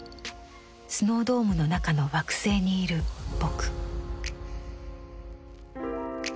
スノードームの中の惑星にいる「ぼく」。